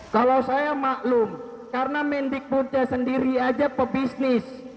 kalau saya maklum karena mendik bunca sendiri aja pebisnis